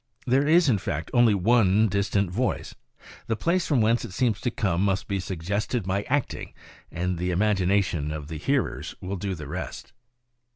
There is, in fact, only one distant voice; the place from whence it seems to come must be suggested by acting, and the imagination of the hearers will do the rest.